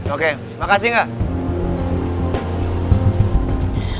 oke makasih nggak